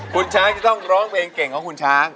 คุณช้างจะต้องร้องเพลงเก่งของคุณช้าง